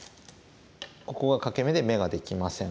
ここが欠け眼で眼ができません。